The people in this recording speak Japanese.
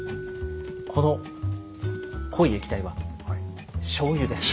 この濃い液体はしょうゆです。